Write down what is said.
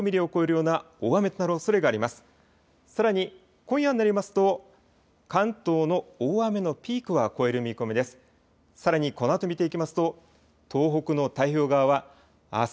さらに今夜になりますと関東の大雨のピークは越える見込みです。